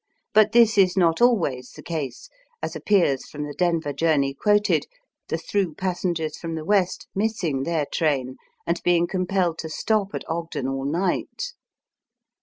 But this is not always the case, as appears from the Denver journey quoted, the through passengers from the West missing their train, and heing compelled to stop at Ogden all night.